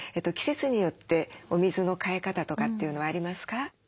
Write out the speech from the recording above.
季節によってお水の換え方とかっていうのはありますか？